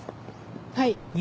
はい。